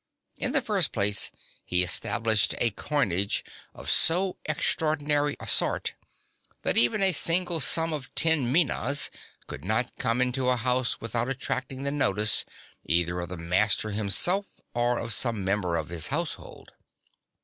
(2) In the first place, he established a coinage (3) of so extraordinary a sort, that even a single sum of ten minas (4) could not come into a house without attracting the notice, either of the master himself, or of some member of his household.